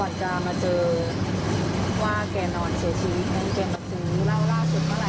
วันอันทางไม่เห็นคิดว่าเขาไปทำงานปกติ